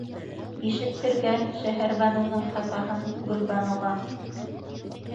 Ишеттергән Шәһәрбаныуҙың хафаһын Гөлбаныуға!